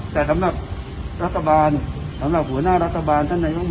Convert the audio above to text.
แต่สำหรับรัฐบาลสำหรับหัวหน้ารัฐบาลท่านนายก